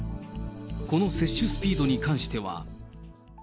この接種スピードに関しては。